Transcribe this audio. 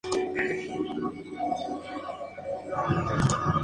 Los únicos depredadores de esta especie son el tigre y el hombre.